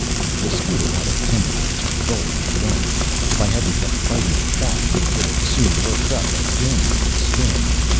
The scooter had a tendency to roll to the right. If I hadn't kept fighting it back, it would have soon worked up a dandy little spin.